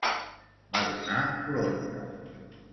Va donar l'ordre.